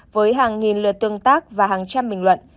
với hàng nghìn lượt tương tác và hàng trăm bình luận